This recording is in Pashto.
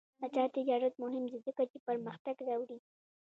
آزاد تجارت مهم دی ځکه چې پرمختګ راوړي.